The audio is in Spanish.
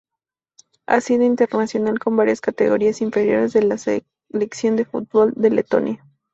Ha sido internacional con varias categorías inferiores de la selección de fútbol de Letonia.